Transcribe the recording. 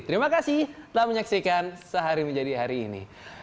terima kasih telah menyaksikan sehari menjadi hari ini